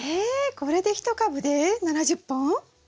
これで１株で７０本？